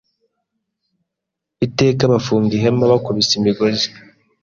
Iteka bafunga ihema Bakubise imigozi